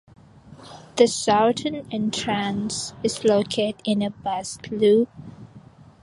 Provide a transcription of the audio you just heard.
The southern entrance is located in a bus loop.